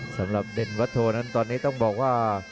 สำหรับเด่นวัดโทนั้นตอนนี้ต้องบอกว่า